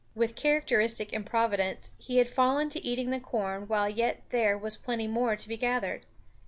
With characteristic improvidence he had fallen to eating the corn while yet there was plenty more to be gathered.